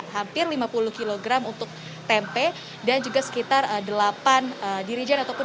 hampir lima puluh kg untuk tempe dan juga sekitar delapan dirijen ataupun